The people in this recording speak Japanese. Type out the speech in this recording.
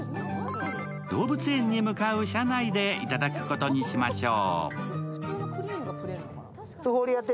動物園に向かう車内で頂くことにしましょう。